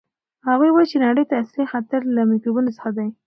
هغوی وایي چې نړۍ ته اصلي خطر له میکروبونو څخه دی.